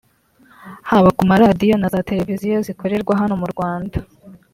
haba ku maradiyo na za televiziyo zikorera hano mu Rwanda